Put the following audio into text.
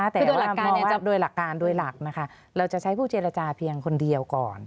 แต่ว่าโดยหลักการโดยหลักเราจะใช้ผู้เจรจาเพียงคนเดียวก่อน